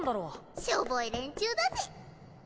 しょぼい連中だぜ。